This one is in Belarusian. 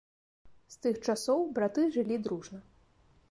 З тых часоў браты жылі дружна.